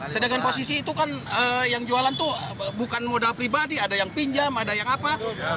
sedangkan posisi itu kan yang jualan itu bukan modal pribadi ada yang pinjam ada yang apa